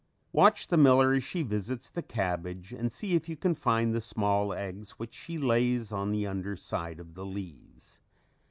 Watch the miller as she visits the cabbage and see if you can find the small eggs which she lays on the under side of the leaves.